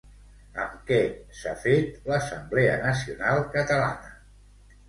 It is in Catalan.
Amb què s'ha fet l'Assemblea Nacional Catalana?